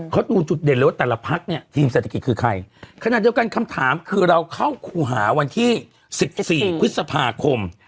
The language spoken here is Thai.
เขาดูจุดเด่นเลยว่าแต่ละพักเนี่ยทีมเศรษฐกิจคือใครขณะเดียวกันคำถามคือเราเข้าครูหาวันที่สิบสี่พฤษภาคม